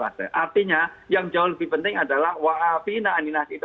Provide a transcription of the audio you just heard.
maksudnya tapi kita tidak melahirkan princesa ini lalu